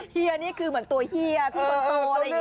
เฮียนี้คือเหมือนตัวเฮียที่นั่งโท